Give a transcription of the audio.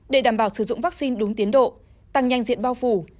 để đảm bảo sử dụng vaccine đúng tiến độ tăng nhanh diện bao phủ